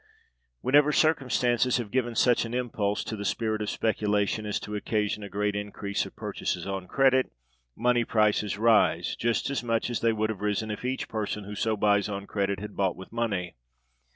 Whenever circumstances have given such an impulse to the spirit of speculation as to occasion a great increase of purchases on credit, money prices rise, just as much as they would have risen if each person who so buys on credit had bought with money.